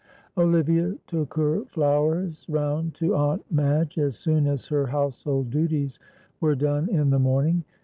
Olivia took her flowers round to Aunt Madge as soon as her household duties were done in the morning.